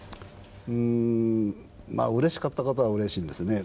まあうれしかったことはうれしいんですね。